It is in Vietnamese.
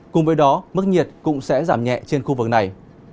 cùng với đó mức nhiệt cũng sẽ giảm nhẹ trên khu vực này